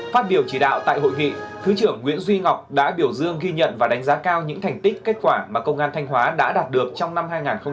phát biểu chỉ đạo tại hội nghị thứ trưởng nguyễn duy ngọc đã biểu dương ghi nhận và đánh giá cao những thành tích kết quả mà công an thanh hóa đã đạt được trong năm hai nghìn hai mươi ba